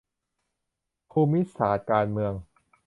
ภูมิศาสตร์การเมือง